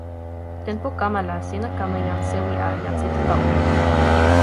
tenpo kama la sina kama jan sewi a, jan Sitata o!